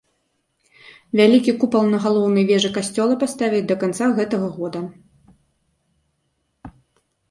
Вялікі купал на галоўнай вежы касцёла паставяць да канца гэтага года.